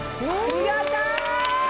ありがたい！